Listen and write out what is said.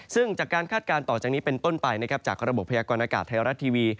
ซึ่งจากการคาดการณ์ต่อจากนี้เป็นต้นไปนะครับจากระบบพยากรณากาศไทยรัฐทีวี